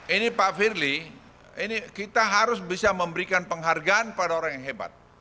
ini pak firly ini kita harus bisa memberikan penghargaan pada orang yang hebat